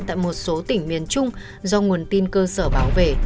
tại một số tỉnh miền trung do nguồn tin cơ sở báo về